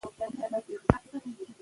دغه ډلې د جګړې لمن وهي.